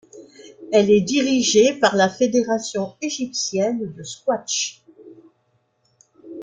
Elle est dirigée par la fédération égyptienne de squash.